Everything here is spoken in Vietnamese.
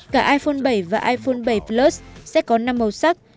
cả iphone bảy và iphone bảy plus sẽ có năm màu sắc